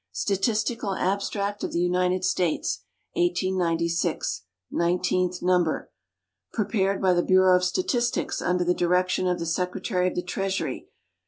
Statistical Abstract of the United States. 1896. Nineteenth number. Pre pared by the Bureau of Statistics, under the direction of the Secretarj' of the Treasury.